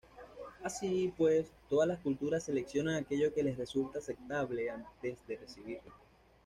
Así, pues, todas las culturas seleccionan aquello que les resulta aceptable, antes de recibirlo.